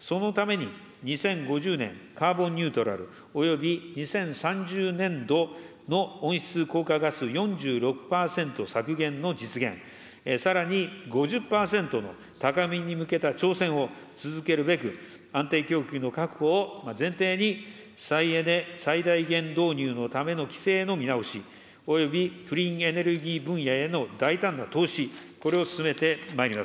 そのために２０５０年カーボンニュートラル、および２０３０年度の温室効果ガス４６％削減の実現、さらに５０％の高みに向けた挑戦を続けるべく、安定供給の確保を前提に、再エネ最大限導入のための規制の見直し、およびクリーンエネルギー分野への大胆な投資、これを進めてまいります。